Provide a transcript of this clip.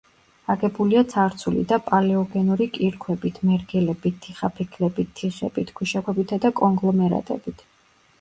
აგებულია ცარცული და პალეოგენური კირქვებით, მერგელებით, თიხაფიქლებით, თიხებით, ქვიშაქვებითა და კონგლომერატებით.